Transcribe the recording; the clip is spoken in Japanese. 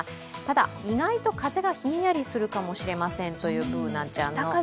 ただ、意外と風がひんやりするかもしれません。